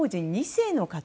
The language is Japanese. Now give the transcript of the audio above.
２世の方